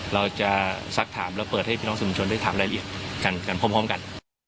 เราจะสักถามแล้วเปิดให้พี่น้องสื่อมวลชนได้ถามรายละเอียดกันพร้อมกัน